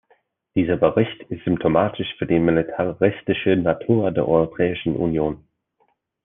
Dieser Bericht ist symptomatisch für die militaristische Natur der Europäischen Union.